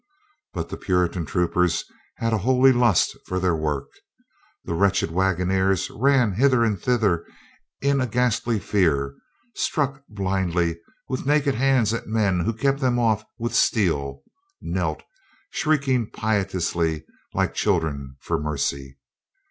But the Puritan troopers had a holy lust for their work. The wretched wagoners ran hither and thither in a ghastly fear, struck blindly with naked hands at men who kept them off with steel, knelt, shrieking piteously like children for mercy.